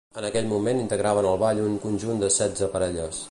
En aquell moment integraven el ball un conjunt de setze parelles.